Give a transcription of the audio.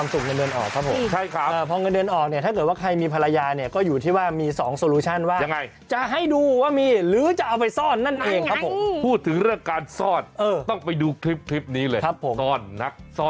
มันต้องออกมันหลวกหูเหมือนกัน